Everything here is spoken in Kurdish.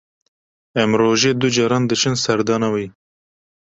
Em rojê du caran diçin serdana wê.